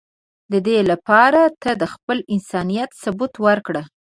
د دی لپاره ته د خپل انسانیت ثبوت ورکړه.